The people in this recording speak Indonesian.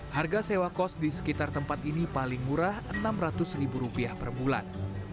harga sewa kos di sekitar tempat ini paling murah rp enam ratus per bulan